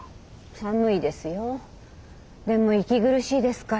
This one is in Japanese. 寒いですよ。